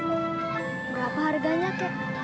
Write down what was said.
berapa harganya kek